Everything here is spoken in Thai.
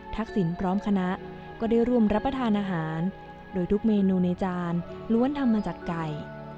พร้อมคณะก็ได้ร่วมรับประทานอาหารโดยทุกเมนูในจานล้วนทำมาจากไก่